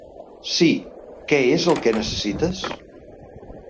Sí, què és el que necessites?